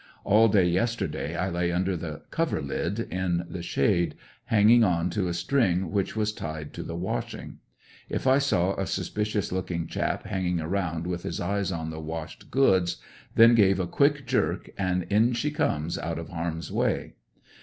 All day yesterday I lay under the ''coverlid" in the shade, hanging on to a string which was tied to the washing. If I saw a suspicious looking chap hanging around with his eyes on the washed eoods, then gave a quick jerk and in she comes out of harm's way.